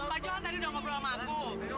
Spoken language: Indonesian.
pak johan tadi udah ngobrol sama aku